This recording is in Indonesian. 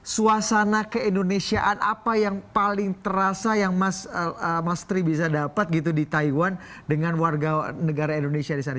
suasana keindonesiaan apa yang paling terasa yang mas tri bisa dapat gitu di taiwan dengan warga negara indonesia di sana